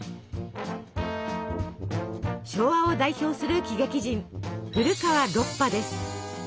昭和を代表する喜劇人古川ロッパです。